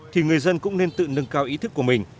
thì người dân cũng nên tự nâng cao ý thức của mình